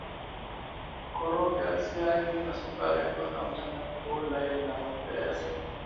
Koroga siagi na sukari mpaka mchanganyiko uwe laini na mwepesi